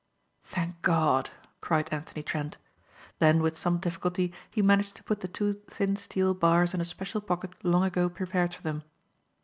"Thank God!" cried Anthony Trent. Then with some difficulty he managed to put the two thin steel bars in a special pocket long ago prepared for them.